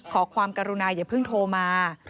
ขอความกรุณาอย่าเพิ่งโทรมา